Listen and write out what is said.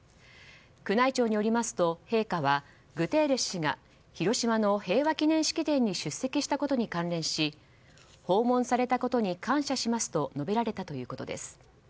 宮内庁によりますと、陛下はグテーレス氏が広島の平和記念式典に出席したことに関連し訪問されたことに感謝しますと述べられたということです。